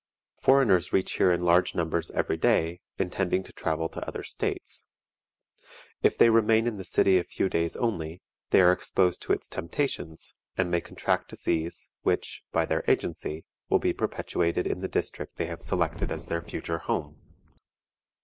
Foreigners reach here in large numbers every day, intending to travel to other states. If they remain in the city a few days only, they are exposed to its temptations, and may contract disease which, by their agency, will be perpetuated in the district they have selected as their future home.